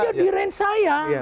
ya di range saya